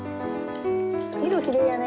色きれいやね。